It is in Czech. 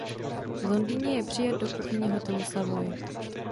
V Londýně je přijat do kuchyně hotelu Savoy.